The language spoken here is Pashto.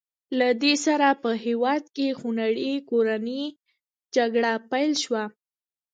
له دې سره په هېواد کې خونړۍ کورنۍ جګړه پیل شوه.